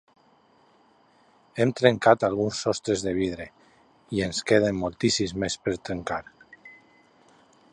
Hem trencat algun sostre de vidre i ens en queden moltíssims més per trencar.